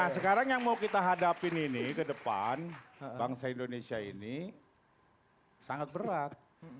nah sekarang yang mau kita hadapin ini ke depan bangsa indonesia ini sangat berat